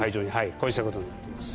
こうしたことになってます。